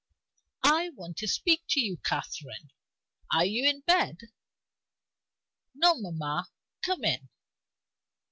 "I want to speak to you, Catherine. Are you in bed?" "No, mamma. Come in."